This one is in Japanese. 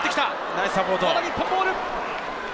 まだ日本ボール。